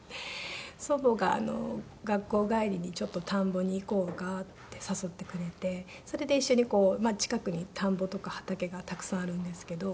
祖母が学校帰りにちょっと田んぼに行こうかって誘ってくれてそれで一緒に近くに田んぼとか畑がたくさんあるんですけど。